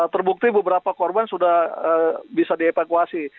terbukti beberapa korban sudah bisa dievakuasi